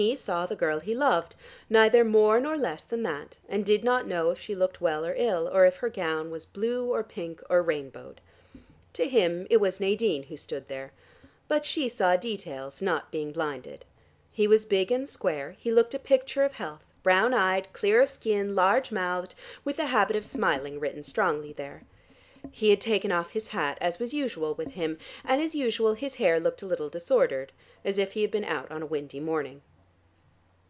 He saw the girl he loved, neither more nor less than that, and did not know if she looked well or ill, or if her gown was blue or pink or rainbowed. To him it was Nadine who stood there. But she saw details, not being blinded: he was big and square, he looked a picture of health, brown eyed, clear of skin, large mouthed, with a habit of smiling written strongly there. He had taken off his hat, as was usual with him, and as usual his hair looked a little disordered, as if he had been out on a windy morning.